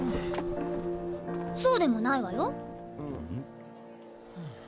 そうでもないわよ。